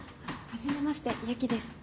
はじめまして雪です。